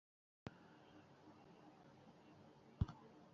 重点做好经营场所和游客出行安全防范工作